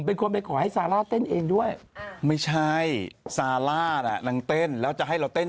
แต่ความเป็นขอให้ซาล่าเต้นเองด้วยอ่าไม่ใช่ซาล่า๙๑๑แล้วจะให้เราเต้น